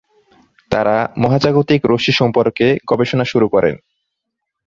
তার মহাজাগতিক রশ্মি সম্পর্কে গবেষণা শুরু করেন।